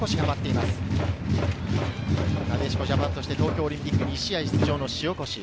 なでしこジャパンとして東京オリンピック２試合出場の塩越。